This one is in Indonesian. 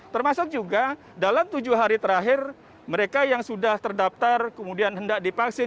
termasuk juga dalam tujuh hari terakhir mereka yang sudah terdaftar kemudian hendak dipaksin